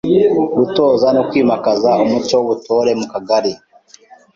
Gutoza no kwimakaza umuco w’ubutore mu Kagari;